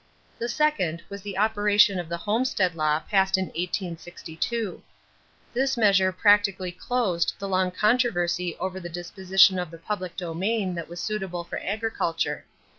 The second was the operation of the Homestead law passed in 1862. This measure practically closed the long controversy over the disposition of the public domain that was suitable for agriculture.